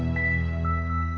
ceng eh tunggu